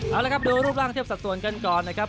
เอาละครับดูรูปร่างเทียบสัดส่วนกันก่อนนะครับ